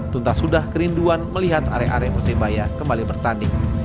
tuntas sudah kerinduan melihat area area persebaya kembali bertanding